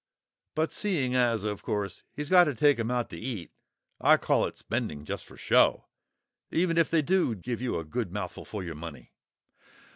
But seeing as of course he's got to take 'em out to eat, I call it spending just for show, even if they do give you a good mouthful for your money."